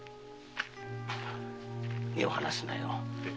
目を離すなよ。